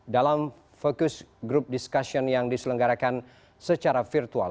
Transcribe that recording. dalam fokus grup diskusi yang diselenggarakan secara virtual